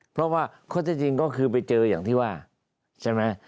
เพราะว่าข้อที่จริงก็คือไปเจออย่างที่ว่าใช่ไหม